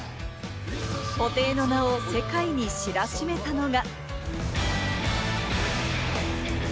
布袋の名を世界に知らしめたのが。